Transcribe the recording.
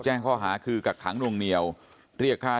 แล้วก็เขาไปเที่ยวกัน